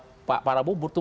membuat pak parbowo bertumbuh